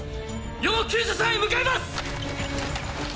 要救助者へ向かいますッ。